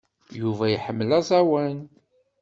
Yuba iḥemmel aẓawan.